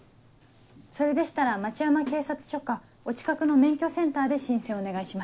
それでしたら町山警察署かお近くの免許センターで申請をお願いします。